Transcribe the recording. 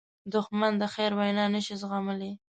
دښمن د خیر وینا نه شي زغملی